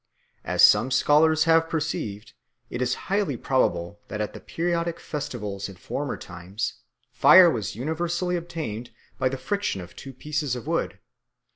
As some scholars have perceived, it is highly probable that at the periodic festivals in former times fire was universally obtained by the friction of two pieces of wood.